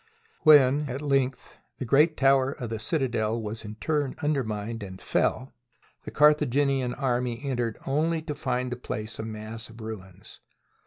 When, at length, the great tower of the citadel was in turn undermined and fell the Carthaginian army en tered only to find the place a mass of ruins.